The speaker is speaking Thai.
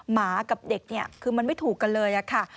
หมากับเด็กเนี่ยคือมันไม่ถูกกันเลยค่ะ